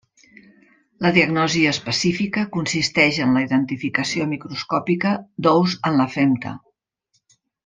La diagnosi específica consisteix en la identificació microscòpica d'ous en la femta.